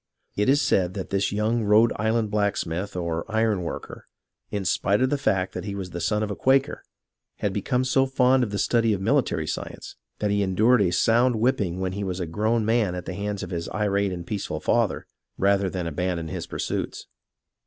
It is said that this young Rhode Island blacksmith, or iron worker, in spite of the fact that he was the son of a Quaker, had become so fond of the study of military sci ence that he endured a sound whipping when he was a grown man at the hands of his irate and peaceful father, rather than abandon his pursuits.